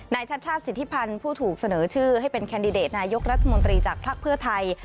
ชัดชาติสิทธิพันธ์ผู้ถูกเสนอชื่อให้เป็นแคนดิเดตนายกรัฐมนตรีจากภักดิ์เพื่อไทย